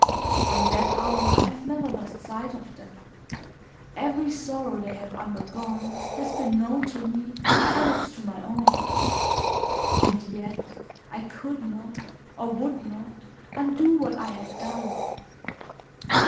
From that hour I have never lost sight of them; every sorrow they have undergone has been known to me, and added to my own; and yet I could not, or would not, undo what I had done.